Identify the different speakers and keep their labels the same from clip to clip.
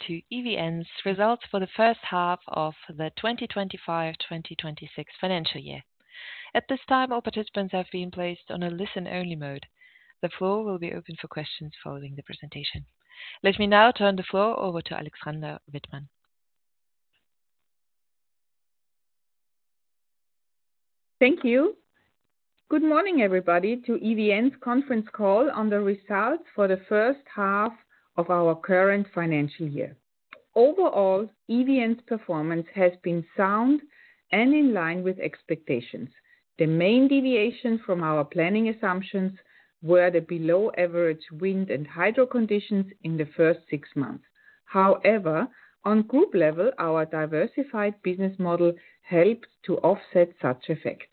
Speaker 1: To EVN's results for the first half of the 2025-2026 financial year. At this time, all participants have been placed on a listen-only mode. The floor will be open for questions following the presentation. Let me now turn the floor over to Alexandra Wittmann.
Speaker 2: Thank you. Good morning, everybody, to EVN's conference call on the results for the first half of our current financial year. Overall, EVN's performance has been sound and in line with expectations. The main deviation from our planning assumptions were the below-average wind and hydro conditions in the first six months. On group level, our diversified business model helped to offset such effects.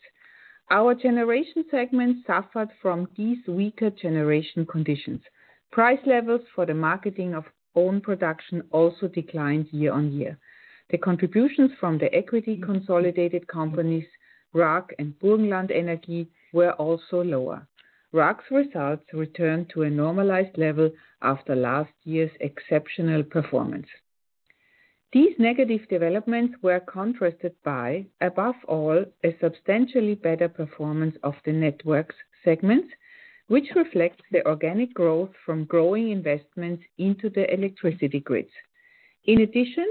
Speaker 2: Our generation segment suffered from these weaker generation conditions. Price levels for the marketing of own production also declined year-on-year. The contributions from the equity-consolidated companies, RAG and Burgenland Energie, were also lower. RAG's results returned to a normalized level after last year's exceptional performance. These negative developments were contrasted by, above all, a substantially better performance of the networks segments, which reflects the organic growth from growing investments into the electricity grids. In addition,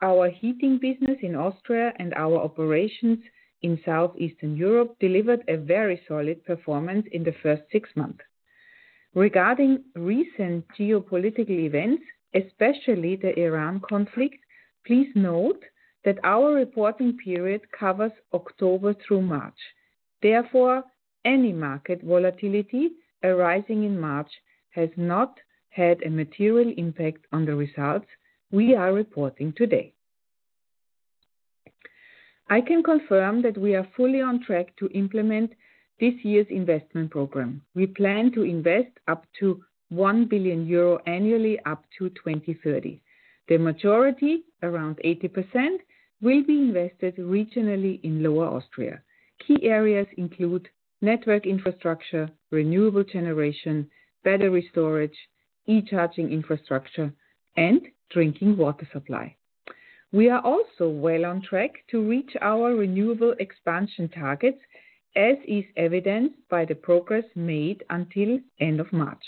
Speaker 2: our heating business in Austria and our operations in Southeastern Europe delivered a very solid performance in the first six months. Regarding recent geopolitical events, especially the Iran conflict, please note that our reporting period covers October through March. Therefore, any market volatility arising in March has not had a material impact on the results we are reporting today. I can confirm that we are fully on track to implement this year's investment program. We plan to invest up to 1 billion euro annually up to 2030. The majority, around 80%, will be invested regionally in Lower Austria. Key areas include network infrastructure, renewable generation, battery storage, e-charging infrastructure, and drinking water supply. We are also well on track to reach our renewable expansion targets, as is evidenced by the progress made until end of March.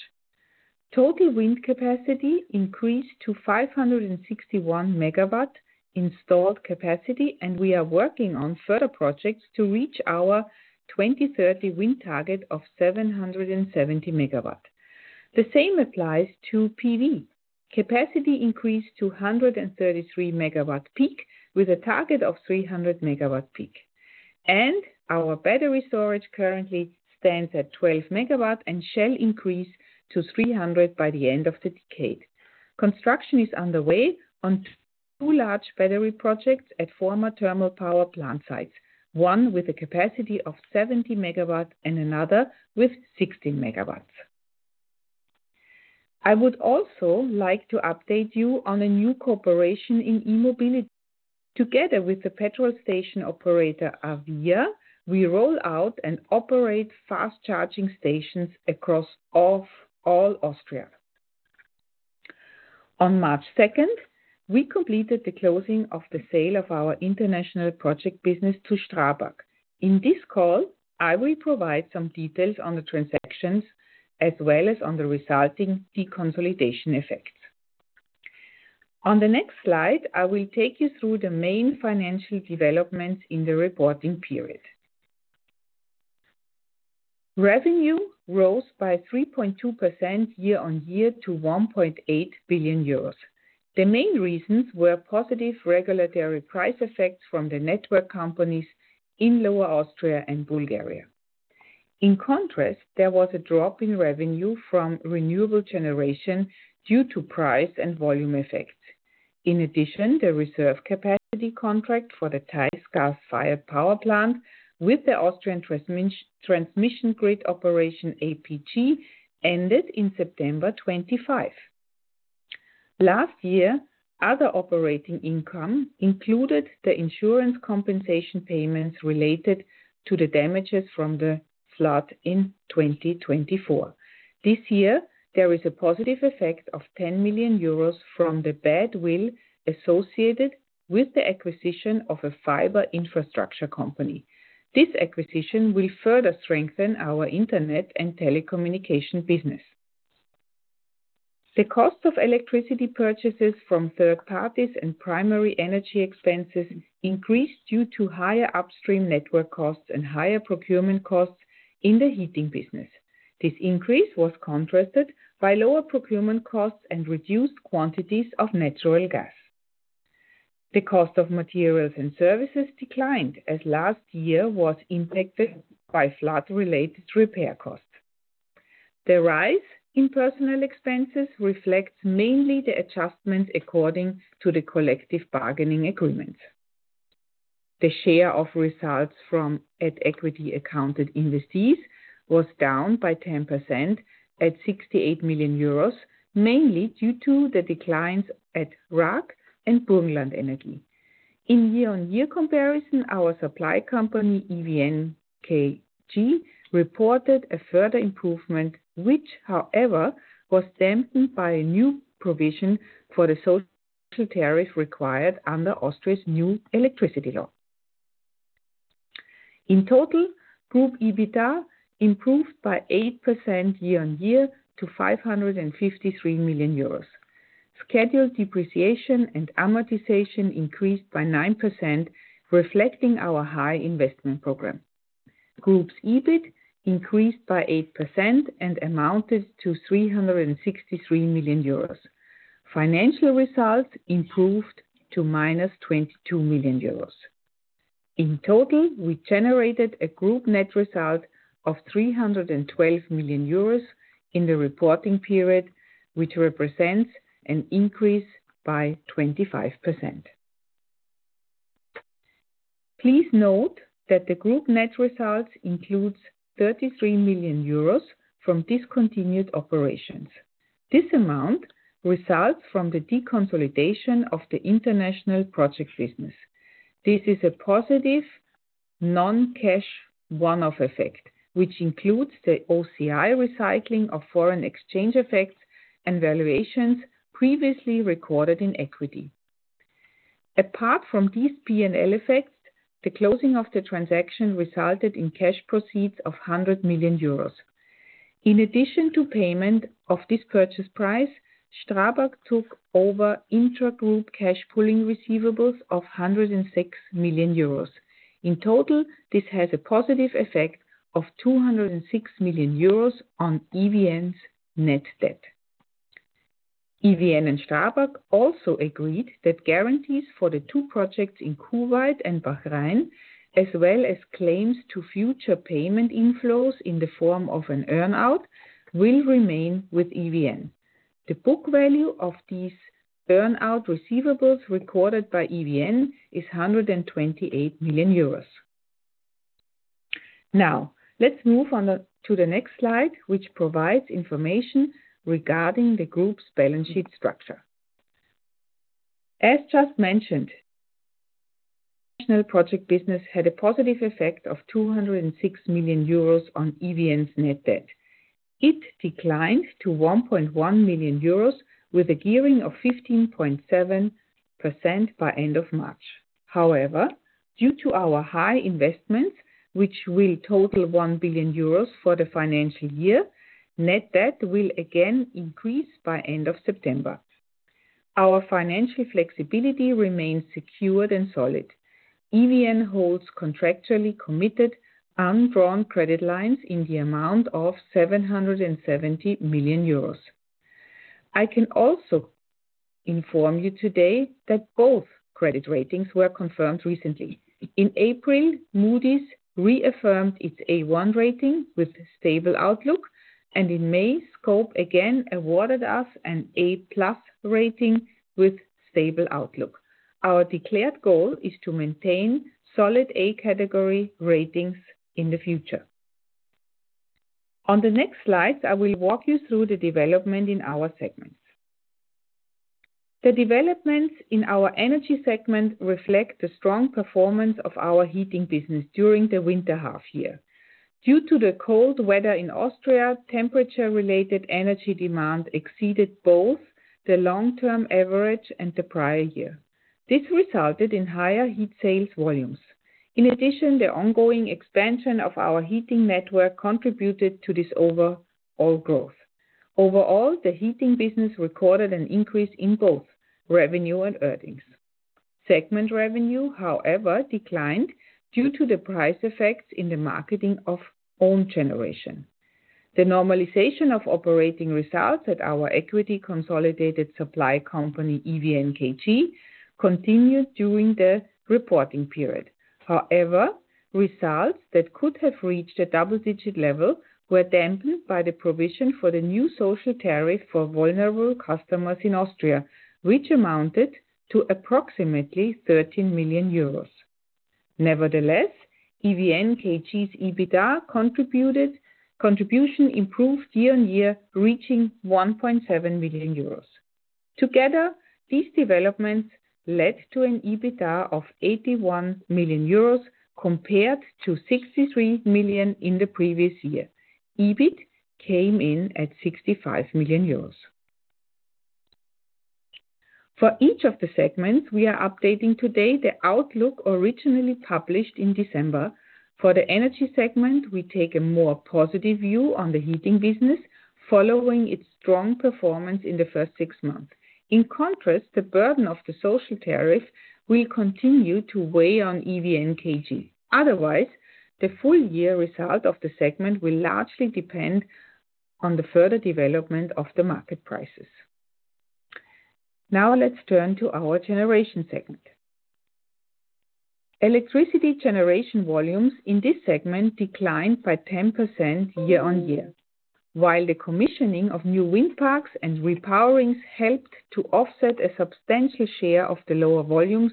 Speaker 2: Total wind capacity increased to 561 MW installed capacity, and we are working on further projects to reach our 2030 wind target of 770 MW. The same applies to PV. Capacity increased to 133 MW peak with a target of 300 MW peak. Our battery storage currently stands at 12 MW and shall increase to 300 MW by the end of the decade. Construction is underway on two large battery projects at former thermal power plant sites, one with a capacity of 70 MW and another with 60 MW. I would also like to update you on a new cooperation in e-mobility. Together with the petrol station operator, AVIA, we roll out and operate fast charging stations across all Austria. On March 2nd, we completed the closing of the sale of our international project business to Strabag. In this call, I will provide some details on the transactions as well as on the resulting deconsolidation effects. On the next slide, I will take you through the main financial developments in the reporting period. Revenue rose by 3.2% year-on-year to 1.8 billion euros. The main reasons were positive regulatory price effects from the network companies in Lower Austria and Bulgaria. In contrast, there was a drop in revenue from renewable generation due to price and volume effects. In addition, the reserve capacity contract for the Theiß gas-fired power plant with the Austrian transmission grid operation, APG, ended in September 2025. Last year, other operating income included the insurance compensation payments related to the damages from the flood in 2024. This year, there is a positive effect of 10 million euros from the badwill associated with the acquisition of a fiber infrastructure company. This acquisition will further strengthen our internet and telecommunication business. The cost of electricity purchases from third parties and primary energy expenses increased due to higher upstream network costs and higher procurement costs in the heating business. This increase was contrasted by lower procurement costs and reduced quantities of natural gas. The cost of materials and services declined as last year was impacted by flood-related repair costs. The rise in personnel expenses reflects mainly the adjustments according to the collective bargaining agreements. The share of results from at equity accounted investees was down by 10% at 68 million euros, mainly due to the declines at RAG and Burgenland Energie. In year-on-year comparison, our supply company, EVN KG, reported a further improvement, which, however, was dampened by a new provision for the social tariff required under Austria's new electricity law. In total, group EBITDA improved by 8% year-on-year to 553 million euros. Scheduled depreciation and amortization increased by 9%, reflecting our high investment program. Group's EBIT increased by 8% and amounted to 363 million euros. Financial results improved to -22 million euros. In total, we generated a group net result of 312 million euros in the reporting period, which represents an increase by 25%. Please note that the group net results includes 33 million euros from discontinued operations. This amount results from the deconsolidation of the international project business. This is a positive non-cash one-off effect, which includes the OCI recycling of foreign exchange effects and valuations previously recorded in equity. Apart from these P&L effects, the closing of the transaction resulted in cash proceeds of 100 million euros. In addition to payment of this purchase price, Strabag took over intragroup cash pooling receivables of 106 million euros. In total, this has a positive effect of 206 million euros on EVN's net debt. EVN and Strabag also agreed that guarantees for the two projects in Kuwait and Bahrain, as well as claims to future payment inflows in the form of an earn-out, will remain with EVN. The book value of these earn-out receivables recorded by EVN is 128 million euros. Now, let's move on to the next slide, which provides information regarding the group's balance sheet structure. As just mentioned, international project business had a positive effect of 206 million euros on EVN's net debt. It declined to 1.1 million euros with a gearing of 15.7% by end of March. However, due to our high investments, which will total 1 billion euros for the financial year, net debt will again increase by end of September. Our financial flexibility remains secured and solid. EVN holds contractually committed undrawn credit lines in the amount of 770 million euros. I can also inform you today that both credit ratings were confirmed recently. In April, Moody's reaffirmed its A1 rating with a stable outlook, and in May, Scope again awarded us an A+ rating with stable outlook. Our declared goal is to maintain solid A category ratings in the future. On the next slide, I will walk you through the development in our segments. The developments in our Energy segment reflect the strong performance of our heating business during the winter half year. Due to the cold weather in Austria, temperature-related energy demand exceeded both the long-term average and the prior year. This resulted in higher heat sales volumes. In addition, the ongoing expansion of our heating network contributed to this overall growth. Overall, the heating business recorded an increase in both revenue and earnings. Segment revenue, however, declined due to the price effects in the marketing of own generation. The normalization of operating results at our equity consolidated supply company, EVN KG, continued during the reporting period. Results that could have reached a double-digit level were dampened by the provision for the new social tariff for vulnerable customers in Austria, which amounted to approximately 13 million euros. EVN KG's EBITDA contribution improved year-on-year, reaching 1.7 million euros. Together, these developments led to an EBITDA of 81 million euros compared to 63 million in the previous year. EBIT came in at 65 million euros. For each of the segments, we are updating today the outlook originally published in December. For the Energy segment, we take a more positive view on the heating business following its strong performance in the first six months. In contrast, the burden of the social tariff will continue to weigh on EVN KG. Otherwise, the full year result of the segment will largely depend on the further development of the market prices. Let's turn to our Generation segment. Electricity generation volumes in this segment declined by 10% year-on-year. While the commissioning of new wind farms and repowerings helped to offset a substantial share of the lower volumes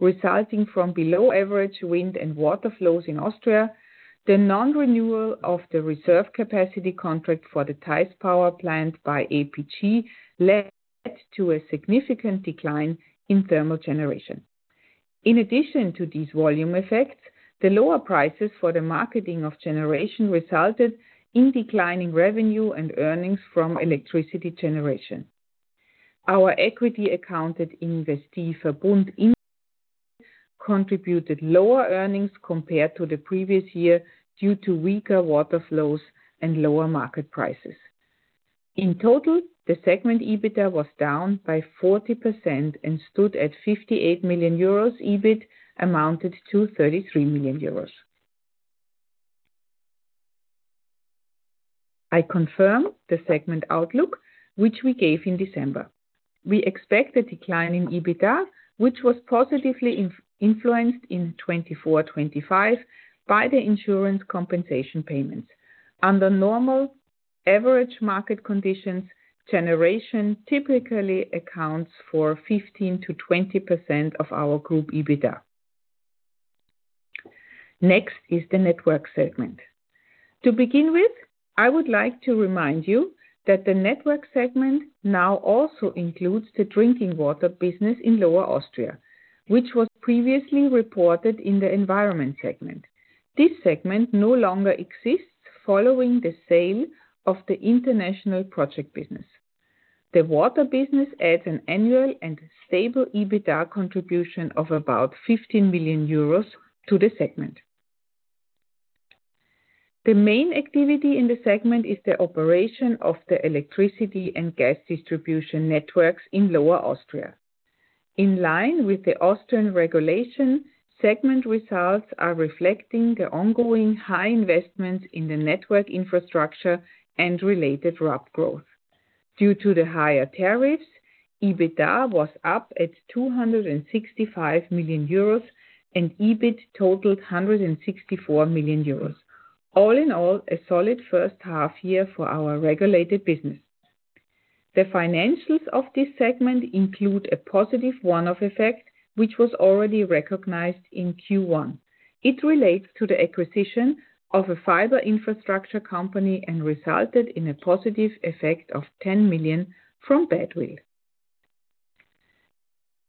Speaker 2: resulting from below average wind and water flows in Austria, the non-renewal of the reserve capacity contract for the Theiß power plant by APG led to a significant decline in thermal generation. In addition to these volume effects, the lower prices for the marketing of generation resulted in declining revenue and earnings from electricity generation. Our equity accounted Verbund contributed lower earnings compared to the previous year, due to weaker water flows and lower market prices. In total, the segment EBITDA was down by 40% and stood at 58 million euros. EBIT amounted to 33 million euros. I confirm the segment outlook, which we gave in December. We expect a decline in EBITDA, which was positively influenced in 2024-2025, by the insurance compensation payments. Under normal average market conditions, generation typically accounts for 15%-20% of our group EBITDA. Next is the network segment. To begin with, I would like to remind you that the network segment now also includes the drinking water business in Lower Austria, which was previously reported in the environment segment. This segment no longer exists following the sale of the international project business. The water business adds an annual and stable EBITDA contribution of about 15 million euros to the segment. The main activity in the segment is the operation of the electricity and gas distribution networks in Lower Austria. In line with the Austrian regulation, segment results are reflecting the ongoing high investments in the network infrastructure and related growth. Due to the higher tariffs, EBITDA was up at 265 million euros, and EBIT totaled 164 million euros. All in all, a solid first half year for our regulated business. The financials of this segment include a positive one-off effect, which was already recognized in Q1. It relates to the acquisition of a fiber infrastructure company and resulted in a positive effect of 10 million from badwill.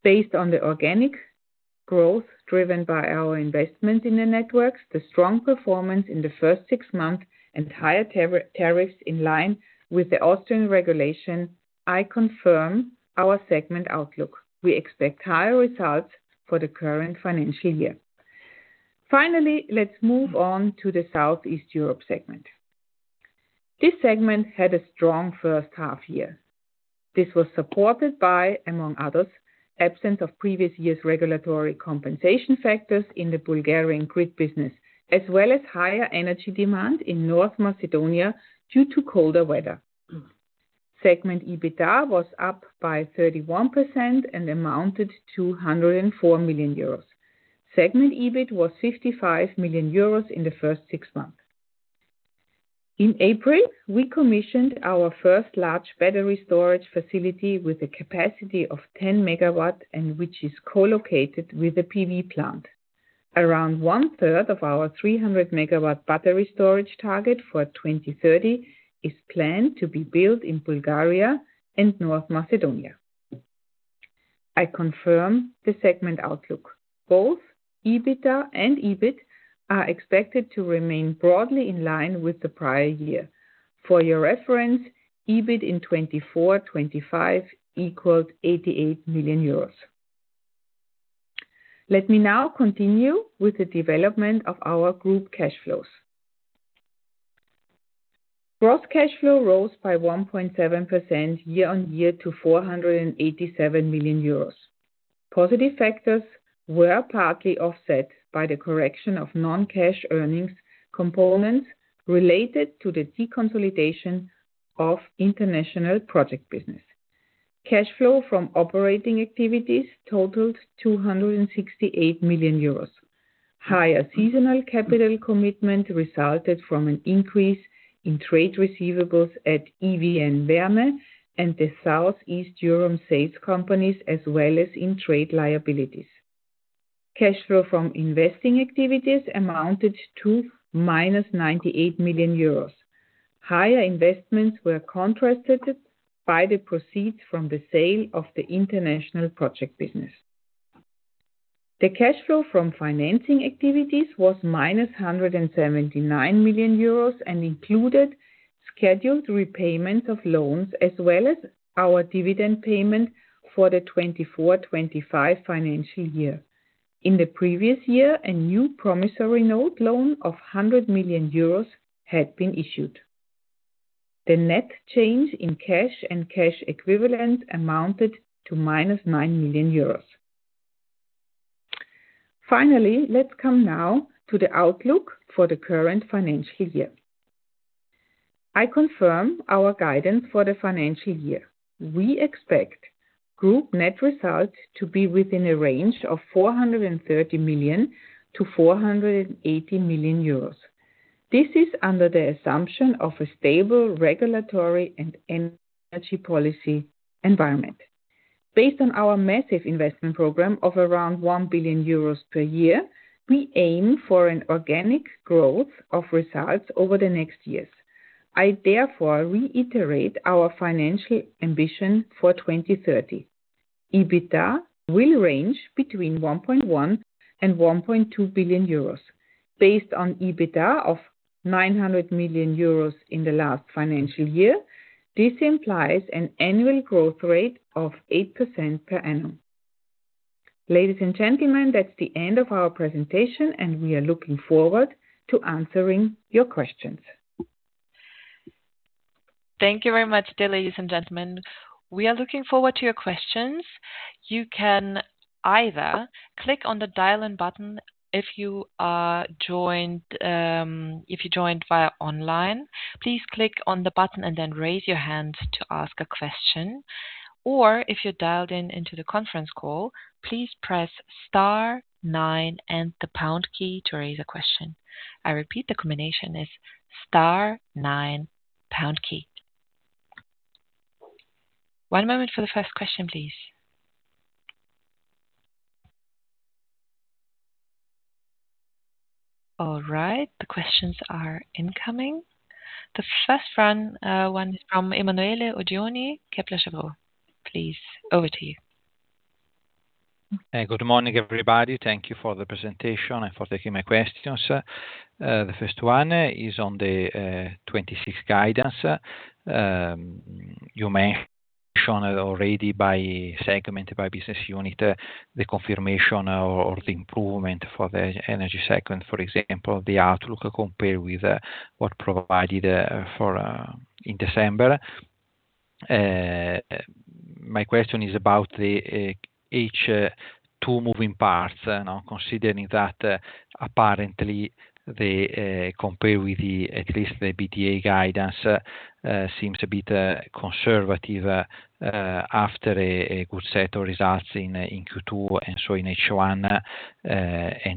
Speaker 2: Based on the organic growth driven by our investment in the networks, the strong performance in the first six months, and higher tariffs in line with the Austrian regulation, I confirm our segment outlook. We expect higher results for the current financial year. Let's move on to the Southeast Europe segment. This segment had a strong first half year. This was supported by, among others, absence of previous year's regulatory compensation factors in the Bulgarian grid business, as well as higher energy demand in North Macedonia due to colder weather. Segment EBITDA was up by 31% and amounted to 104 million euros. Segment EBIT was 55 million euros in the first six months. In April, we commissioned our first large battery storage facility with a capacity of 10 MW and which is co-located with a PV plant. Around one third of our 300 MW battery storage target for 2030 is planned to be built in Bulgaria and North Macedonia. I confirm the segment outlook. Both EBITDA and EBIT are expected to remain broadly in line with the prior year. For your reference, EBIT in 2024-2025 equaled EUR 88 million. Let me now continue with the development of our group cash flows. Gross cash flow rose by 1.7% year-on-year to 487 million euros. Positive factors were partly offset by the correction of non-cash earnings components related to the deconsolidation of international project business. Cash flow from operating activities totaled 268 million euros. Higher seasonal capital commitment resulted from an increase in trade receivables at EVN Wärme and the Southeast Europe sales companies, as well as in trade liabilities. Cash flow from investing activities amounted to -98 million euros. Higher investments were contrasted by the proceeds from the sale of the international project business. The cash flow from financing activities was -179 million euros and included scheduled repayments of loans as well as our dividend payment for the 2024-2025 financial year. In the previous year, a new promissory note loan of 100 million euros had been issued. The net change in cash and cash equivalent amounted to -9 million euros. Let's come now to the outlook for the current financial year. I confirm our guidance for the financial year. We expect group net results to be within a range of 430 million-480 million euros. This is under the assumption of a stable regulatory and energy policy environment. Based on our massive investment program of around 1 billion euros per year, we aim for an organic growth of results over the next years. I therefore reiterate our financial ambition for 2030. EBITDA will range between 1.1 billion and 1.2 billion euros. Based on EBITDA of 900 million euros in the last financial year, this implies an annual growth rate of 8% per annum. Ladies and gentlemen, that's the end of our presentation, and we are looking forward to answering your questions.
Speaker 1: Thank you very much. Ladies and gentlemen, we are looking forward to your questions. You can either click on the dial-in button if you joined via online. Please click on the button and then raise your hand to ask a question. If you're dialed in into the conference call, please press star nine and the pound key to raise a question. I repeat, the combination is star nine, pound key. One moment for the first question, please. All right. The questions are incoming. The first one is from Emanuele Oggioni, Kepler Cheuvreux. Please, over to you.
Speaker 3: Good morning, everybody. Thank you for the presentation and for taking my questions. The first one is on the 2026 guidance. You mentioned already by segment, by business unit, the confirmation or the improvement for the energy segment, for example, the outlook compared with what provided in December. My question is about each two moving parts now, considering that apparently, compared with at least the EBITDA guidance, seems a bit conservative after a good set of results in Q2 and so in H1.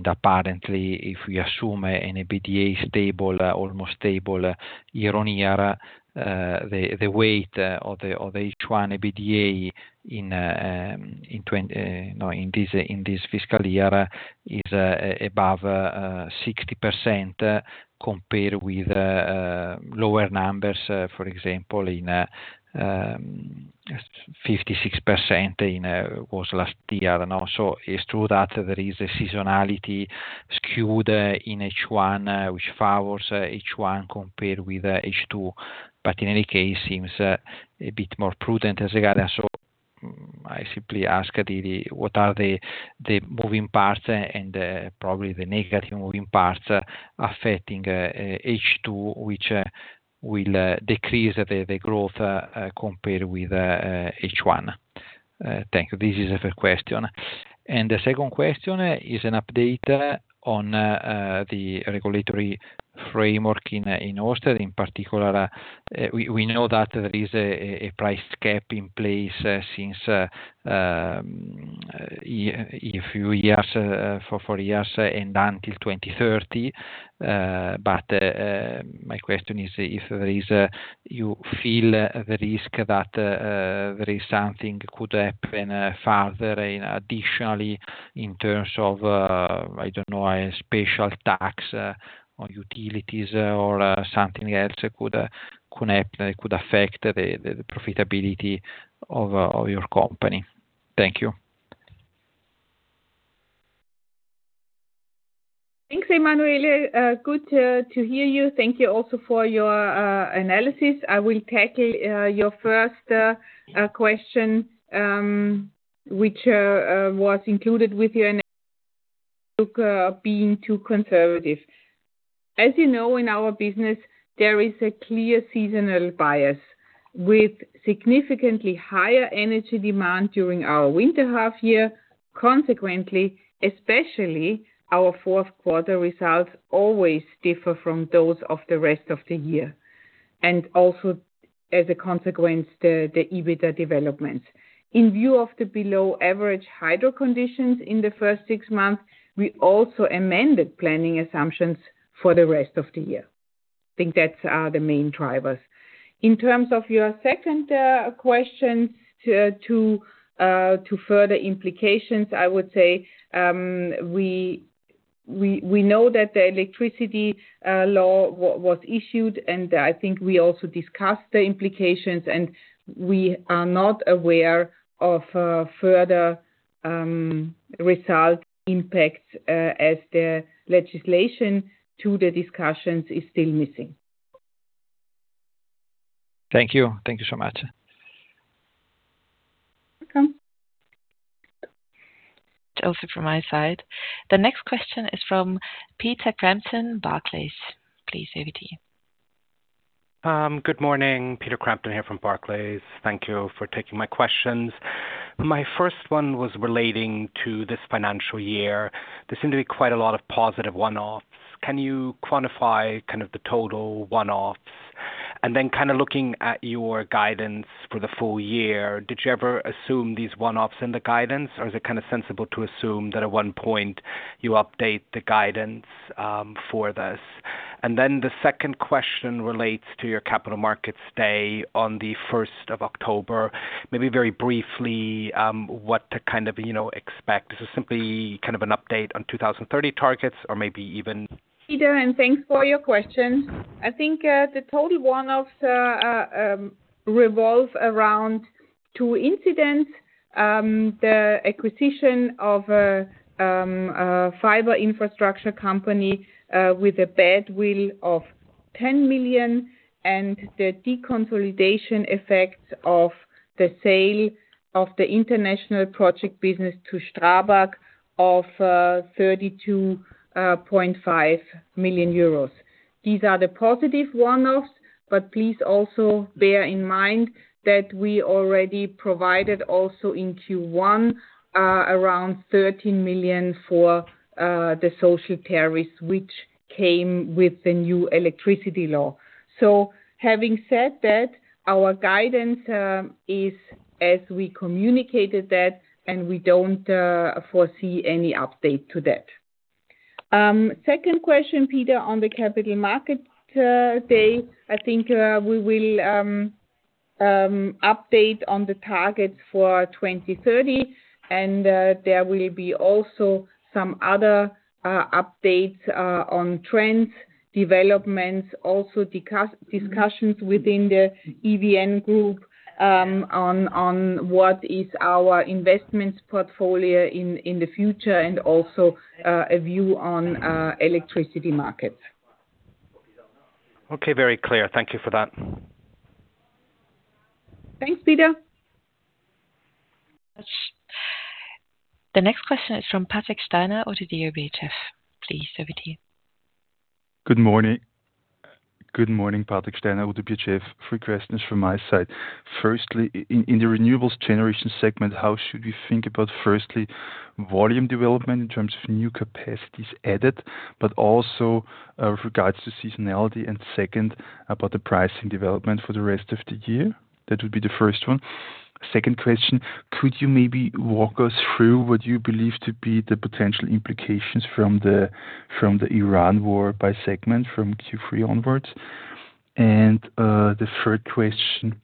Speaker 3: Apparently, if we assume an EBITDA almost stable year-on-year, the weight of H1 EBITDA in this fiscal year is above 60% compared with lower numbers, for example, in 56% was last year. Also, it's true that there is a seasonality skewed in H1, which favors H1 compared with H2, but in any case, seems a bit more prudent as a guidance. I simply ask, what are the moving parts and probably the negative moving parts affecting H2, which will decrease the growth compared with H1? Thank you. This is the first question. The second question is an update on the regulatory framework in Austria. In particular, we know that there is a price cap in place since a few years, for four years and until 2030. My question is, if you feel the risk that there is something could happen further additionally in terms of, I don't know, a special tax on utilities or something else could affect the profitability of your company. Thank you.
Speaker 2: Thanks, Emanuele. Good to hear you. Thank you also for your analysis. I will tackle your first question, which was included with your being too conservative. As you know, in our business, there is a clear seasonal bias with significantly higher energy demand during our winter half year. Especially our fourth quarter results always differ from those of the rest of the year, and also as a consequence, the EBITDA development. In view of the below average hydro conditions in the first six months, we also amended planning assumptions for the rest of the year. I think that's the main drivers. In terms of your second question to further implications, I would say, we know that the electricity law was issued, and I think we also discussed the implications, and we are not aware of further result impacts as the legislation to the discussions is still missing.
Speaker 3: Thank you. Thank you so much.
Speaker 2: Welcome.
Speaker 1: Also from my side. The next question is from Peter Crampton, Barclays. Please, over to you.
Speaker 4: Good morning, Peter Crampton here from Barclays. Thank you for taking my questions. My first one was relating to this financial year. There seemed to be quite a lot of positive one-offs. Can you quantify kind of the total one-offs? Looking at your guidance for the full year, did you ever assume these one-offs in the guidance, or is it kind of sensible to assume that at one point you update the guidance for this? The second question relates to your capital markets day on the 1st of October. Maybe very briefly, what to kind of expect. Is this simply kind of an update on 2030 targets? Or maybe even.
Speaker 2: Peter, thanks for your question. I think the total one-offs revolve around two incidents, the acquisition of a fiber infrastructure company with a badwill of 10 million, and the deconsolidation effects of the sale of the international project business to Strabag of EUR 32.5 million. These are the positive one-offs, please also bear in mind that we already provided also in Q1 around 13 million for the social tariffs, which came with the new Electricity Industry Act. Having said that, our guidance is as we communicated that. We don't foresee any update to that. Second question, Peter, on the Capital Markets Day, I think we will update on the targets for 2030. There will be also some other updates on trends, developments, also discussions within the EVN Group on what is our investments portfolio in the future and also a view on electricity markets.
Speaker 4: Okay. Very clear. Thank you for that.
Speaker 2: Thanks, Peter.
Speaker 1: The next question is from Patrick Steiner, ODDO BHF. Please over to you.
Speaker 5: Good morning. Patrick Steiner, ODDO BHF. Three questions from my side. In the renewables generation segment, how should we think about volume development in terms of new capacities added, but also with regards to seasonality, and second, about the pricing development for the rest of the year? That would be the first one. Second question, could you maybe walk us through what you believe to be the potential implications from the Iran war by segment from Q3 onwards? The third question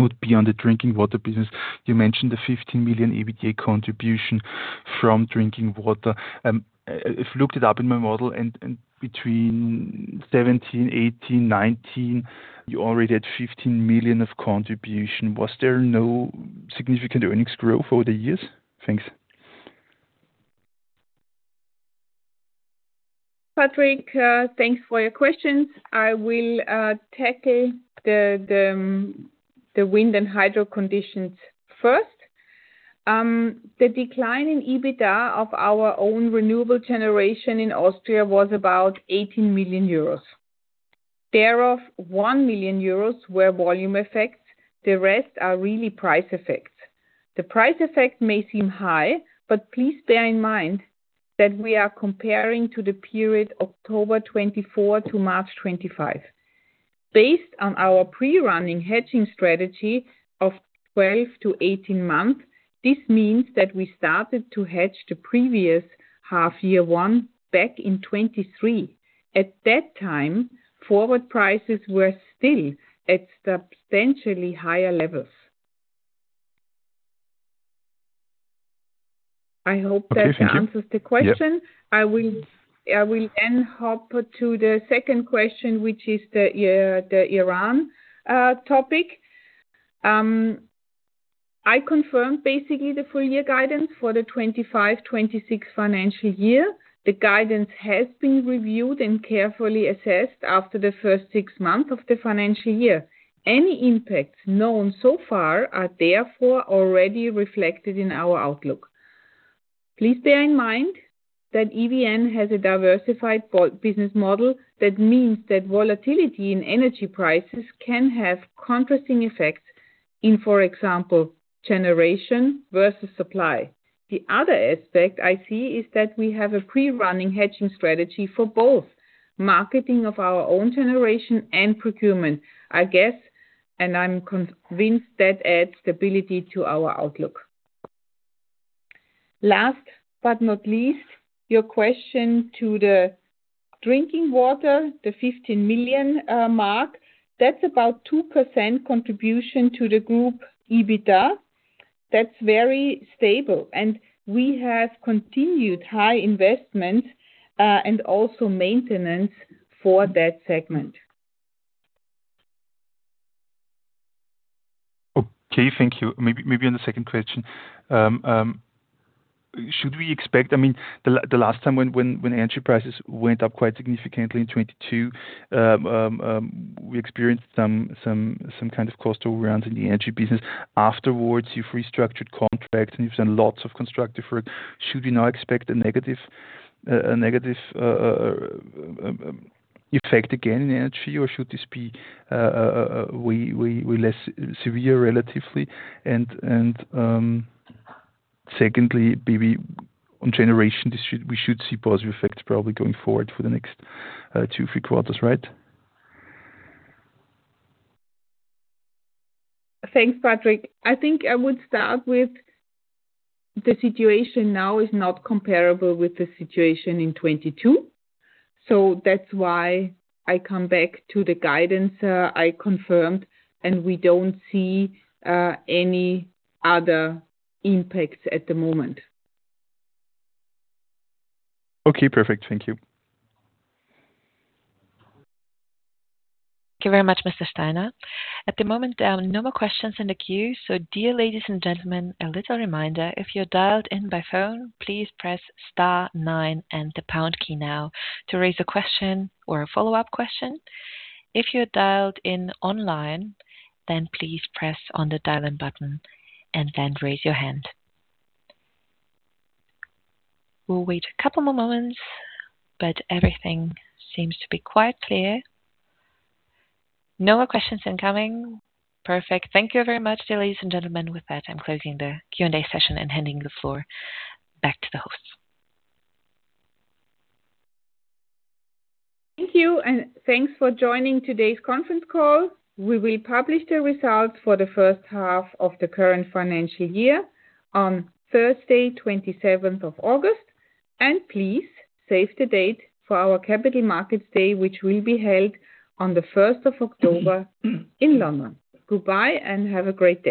Speaker 5: would be on the drinking water business. You mentioned the 15 million EBITDA contribution from drinking water. I've looked it up in my model, between 2017, 2018, 2019, you already had 15 million of contribution. Was there no significant earnings growth over the years? Thanks.
Speaker 2: Patrick, thanks for your questions. I will tackle the wind and hydro conditions first. The decline in EBITDA of our own renewable generation in Austria was about 18 million euros. Thereof, 1 million euros were volume effects, the rest are really price effects. The price effect may seem high, please bear in mind that we are comparing to the period October 2024 to March 2025. Based on our pre-running hedging strategy of 12-18 months, this means that we started to hedge the previous half year one back in 2023. At that time, forward prices were still at substantially higher levels. I hope that answers the question.
Speaker 5: Yes.
Speaker 2: I will then hop to the second question, which is the Iran topic. I confirm basically the full year guidance for the 2025-2026 financial year. The guidance has been reviewed and carefully assessed after the first six months of the financial year. Any impacts known so far are therefore already reflected in our outlook. Please bear in mind that EVN has a diversified business model. That means that volatility in energy prices can have contrasting effects in, for example, generation versus supply. The other aspect I see is that we have a pre-running hedging strategy for both marketing of our own generation and procurement. I guess, and I'm convinced that adds stability to our outlook. Last but not least, your question to the drinking water, the 15 million mark. That's about 2% contribution to the group EBITDA. That's very stable. We have continued high investment, and also maintenance for that segment.
Speaker 5: Okay. Thank you. Maybe on the second question. Should we expect, the last time when energy prices went up quite significantly in 2022, we experienced some kind of cost overruns in the energy business. Afterwards, you've restructured contracts and you've done lots of constructive work. Should we now expect a negative effect again in energy, or should this be way less severe relatively? Secondly, maybe on generation, we should see positive effects probably going forward for the next two, three quarters, right?
Speaker 2: Thanks, Patrick. I think I would start with the situation now is not comparable with the situation in 2022. That's why I come back to the guidance I confirmed, and we don't see any other impacts at the moment.
Speaker 5: Okay, perfect. Thank you.
Speaker 1: Thank you very much, Mr. Steiner. At the moment, there are no more questions in the queue. Dear ladies and gentlemen, a little reminder, if you're dialed in by phone, please press star nine and the pound key now to raise a question or a follow-up question. If you're dialed in online, please press on the dial-in button, and then raise your hand. We'll wait a couple more moments, everything seems to be quite clear. No more questions incoming. Perfect. Thank you very much, ladies and gentlemen. With that, I'm closing the Q&A session and handing the floor back to the host.
Speaker 2: Thank you, and thanks for joining today's conference call. We will publish the results for the first half of the current financial year on Thursday 27th of August, and please save the date for our Capital Markets Day, which will be held on the 1st of October in London. Goodbye and have a great day